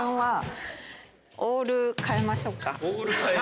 オール変える。